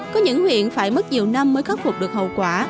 có những huyện phải mất nhiều năm mới khắc phục được hậu quả